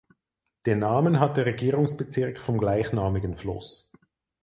Den Namen hat der Regierungsbezirk vom gleichnamigen Fluss.